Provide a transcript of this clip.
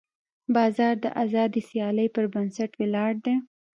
بازار د ازادې سیالۍ پر بنسټ ولاړ دی.